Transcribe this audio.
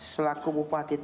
selaku bupati talaut